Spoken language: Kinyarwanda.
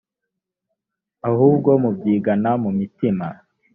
ahubwo mubyigana mu mitima